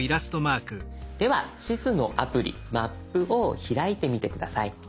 では地図のアプリ「マップ」を開いてみて下さい。